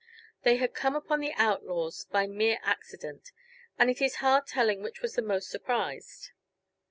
They had come upon the outlaws by mere accident, and it is hard telling which was the most surprised.